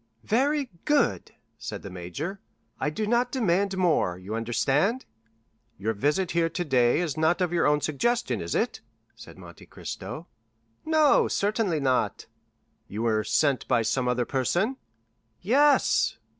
"Very good," said the major, "I do not demand more, you understand——" "Your visit here today is not of your own suggestion, is it?" said Monte Cristo. "No, certainly not." "You were sent by some other person?" "Yes."